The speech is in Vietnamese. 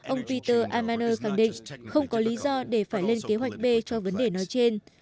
ông peter ammaner khẳng định không có lý do để phải lên kế hoạch b cho vấn đề nói trên